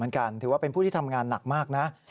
เหมือนกันถือว่าเป็นผู้ที่ทำงานหนักมากนะ